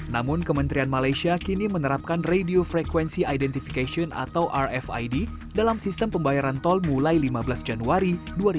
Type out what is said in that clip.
namun kementerian malaysia kini menerapkan radio frequency identification atau rfid dalam sistem pembayaran tol mulai lima belas januari dua ribu dua puluh